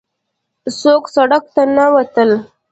څوک سړک ته نه وتل.